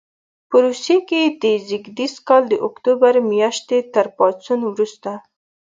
په روسیې کې د زېږدیز کال د اکتوبر میاشتې تر پاڅون وروسته.